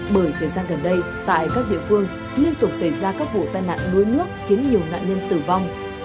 bởi thời gian gần đây tại các địa phương liên tục xảy ra các vụ tai nạn đuối nước khiến nhiều nạn nhân tử vong